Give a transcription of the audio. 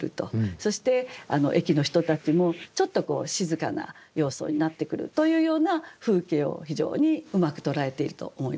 そして駅の人たちもちょっと静かな様相になってくるというような風景を非常にうまく捉えていると思いました。